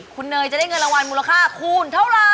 คุณเนยจะได้เงินรางวัลมูลค่าคูณเท่าไหร่